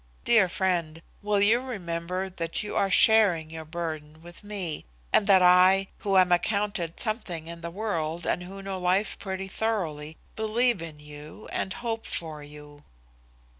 Dear friend, will you remember that you are sharing your burden with me, and that I, who am accounted something in the world and who know life pretty thoroughly, believe in you and hope for you."